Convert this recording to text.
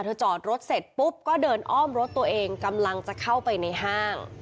จอดรถเสร็จปุ๊บก็เดินอ้อมรถตัวเองกำลังจะเข้าไปในห้าง